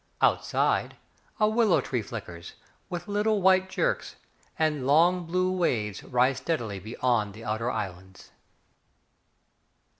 Outside, A willow tree flickers With little white jerks, And long blue waves Rise steadily beyond the outer islands.